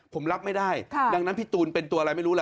ผมรับไม่ได้ดังนั้นพี่ตูนเป็นตัวอะไรไม่รู้ล่ะ